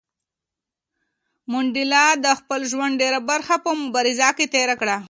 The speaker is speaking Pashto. منډېلا د خپل ژوند ډېره برخه په مبارزه کې تېره کړه.